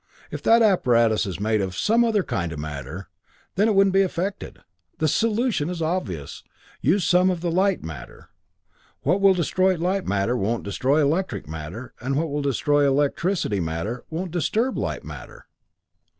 If that apparatus is made of some other kind of matter, then it wouldn't be affected. The solution is obvious. Use some of the light matter. What will destroy light matter, won't destroy electricity matter, and what will destroy electricity matter, won't disturb light matter.